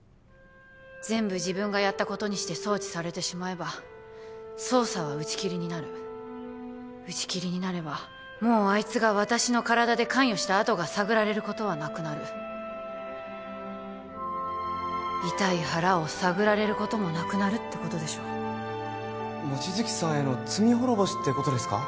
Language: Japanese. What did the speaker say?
全部自分がやったことにして送致されてしまえば捜査は打ち切りになる打ち切りになればもうあいつが私の体で関与した跡が探られることはなくなる痛い腹を探られることもなくなるってことでしょ望月さんへの罪滅ぼしってことですか？